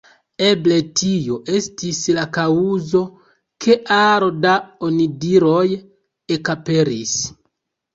Eble tio estis la kaŭzo, ke aro da onidiroj ekaperis.